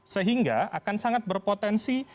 sehingga akan sangat berpotensi